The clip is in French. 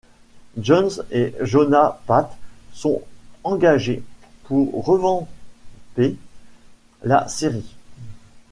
Josh et Jonas Pate sont engagés pour revamper la série.